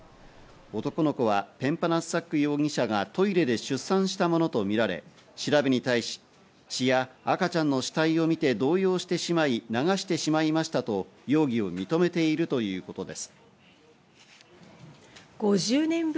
男の子はペンパナッサック容疑者がトイレで出産したものとみられ、調べに対し、血や赤ちゃんの死体を見て動揺してしまい流してしまいましたと容疑を認めているということです。